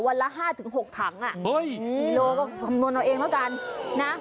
วันละห้าถึงหกถังน่ะโอ้ยกิโลก็คำนวณเอาเองเหมือนกันนะ